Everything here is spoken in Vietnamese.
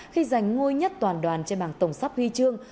khi giành ngôi nhất toàn đoàn trên bảng tổng sắp huy chương